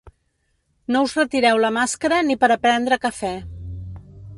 No us retireu la màscara ni per a prendre cafè.